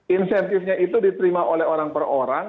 insentifnya itu diterima oleh orang per orang